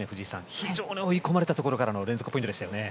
非常に追い込まれたところからの連続ポイントでしたね。